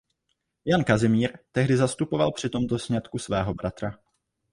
Jan Kazimír tehdy zastupoval při tomto sňatku svého bratra.